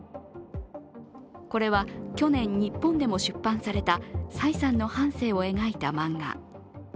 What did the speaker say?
これは去年、日本でも出版された蔡さんの半生を描いた漫画。